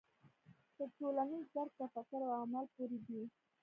تر ټولنیز درک تفکر او عمل پورې دی.